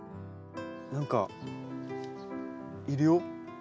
何かいるよ。